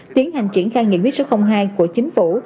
tiến hành triển khai nghị quyết số hai của chính phủ